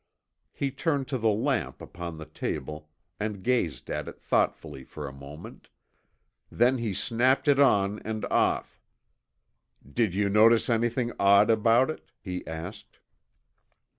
He turned to the lamp upon the table and gazed at it thoughtfully for a moment, then he snapped it on and off. "Did you notice anything odd about it?" he asked.